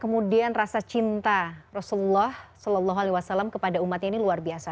kemudian rasa cinta rasulullah s a w kepada umatnya ini luar biasa